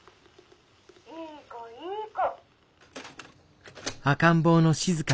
いい子いい子」。